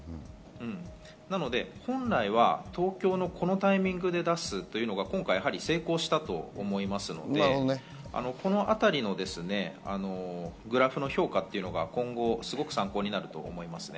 本来は東京のこのタイミングで出すというのがやはり成功したと思いますので、このあたりのグラフの評価は今後すごく参考になると思いますね。